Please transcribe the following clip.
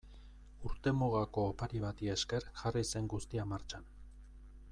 Urtemugako opari bati esker jarri zen guztia martxan.